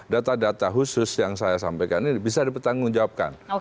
data data khusus yang saya sampaikan ini bisa dipertanggungjawabkan